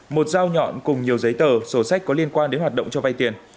một dao nhọn cùng nhiều giấy tờ sổ sách có liên quan đến hoạt động cho vay tiền